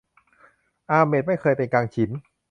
อาเหม็ดไม่เคยเป็นกังฉิน